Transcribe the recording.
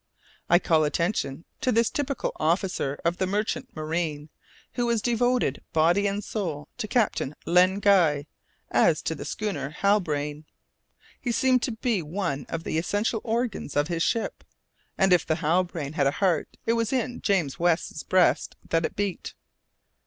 I call attention to this typical officer of the Merchant Marine, who was devoted body and soul to Captain Len Guy as to the schooner Halbrane. He seemed to be one of the essential organs of his ship, and if the Halbrane had a heart it was in James West's breast that it beat.